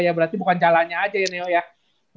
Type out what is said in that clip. ya berarti bukan jalannya aja ya neo ya